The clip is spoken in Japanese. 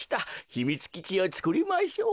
ひみつきちをつくりましょう。